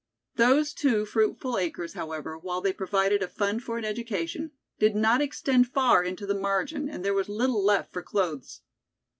Those two fruitful acres, however, while they provided a fund for an education, did not extend far into the margin and there was little left for clothes.